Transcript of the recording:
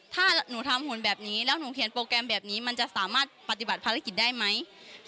ถ้าหนูทำหุ่นแบบนี้แล้วหนูเขียนโปรแกรมแบบนี้มันจะสามารถปฏิบัติภารกิจได้ไหม